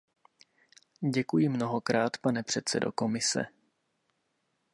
Děkuji mnohokrát, pane předsedo Komise.